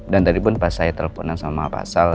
dan tadi pun pas saya teleponan sama pasal